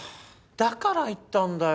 だから言ったんだよ。